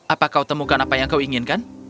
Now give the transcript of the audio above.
apa kau temukan apa yang kau inginkan